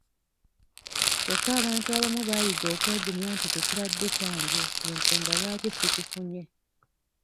Kyokka abantu abamu baayiga okwegumya nti tekibadde kyange y'ensonga lwaki si kifunye.